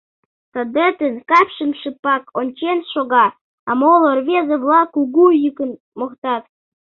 Садетын капшым шыпак ончен шога, а моло рвезе-влак кугу йӱкын моктат.